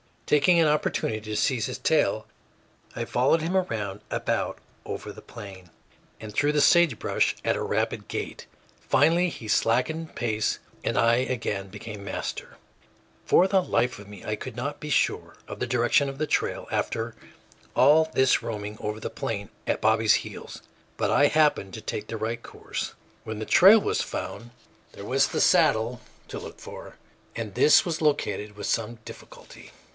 Taking an opportunity to seize his tail, I followed him around about over the plain and through the sage brush at a rapid gait; finally he slackened pace and I again became master. [Illustration: Hobbling the pony.] For the life of me I could not be sure of the direction of the trail after all this roaming over the plain at Bobby's heels, but I happened to take the right course. When the trail was found, there was the saddle to look for, and this was located with some difficulty.